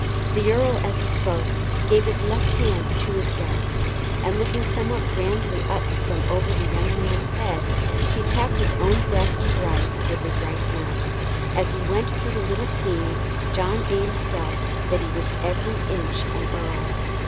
The earl as he spoke gave his left hand to his guest, and looking somewhat grandly up over the young man's head, he tapped his own breast thrice with his right hand. As he went through the little scene, John Eames felt that he was every inch an earl.